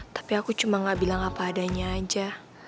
tapi aku cuma gak bilang apa adanya aja